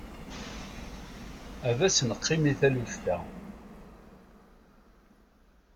Ad as-neqqim i taluft-a.